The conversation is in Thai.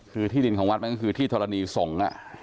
คือที่ดินของวัดมันก็คือที่ธรณีสงฆ์